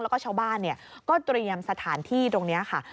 แล้วก็ชาวบ้านก็เตรียมสถานที่ตรงนี้ค่ะ